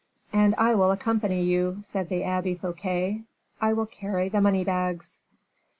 "And I will accompany you," said the Abbe Fouquet; "I will carry the money bags."